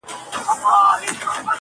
قاضي صاحبه ملامت نه یم بچي وږي وه.